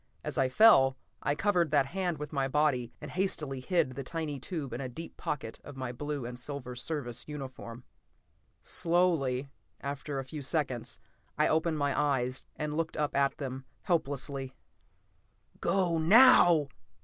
As I fell, I covered that hand with my body and hastily hid the tiny tube in a deep pocket of my blue and silver Service uniform. Slowly, after a few seconds, I opened my eyes and looked up at them, helplessly. "Go, now!"